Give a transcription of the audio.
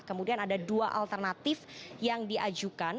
kemudian ada dua alternatif yang diajukan